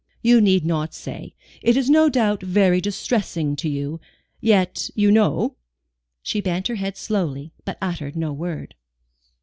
"You need not say. It is no doubt very distressing to you. Yet, you know?" She bent her head slowly, but uttered no word.